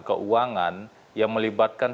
keuangan yang melibatkan